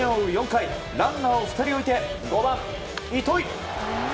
４回ランナーを２人置いて５番、糸井。